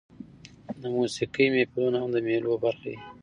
د موسیقۍ محفلونه هم د مېلو برخه يي.